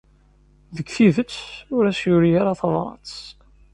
Deg tidet, ur as-yuri ara tabṛat.